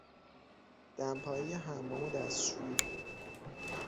دمپایی حمام و دستشویی